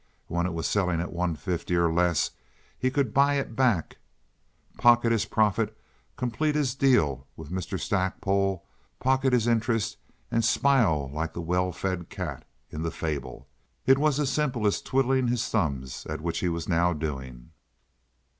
When it was selling at one fifty or less he could buy it back, pocket his profit, complete his deal with Mr. Stackpole, pocket his interest, and smile like the well fed cat in the fable. It was as simple as twiddling his thumbs, which he was now doing.